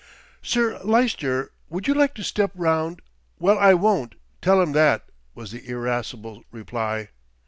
"Sir Lyster would like you to step round " "Well, I won't; tell him that," was the irascible reply.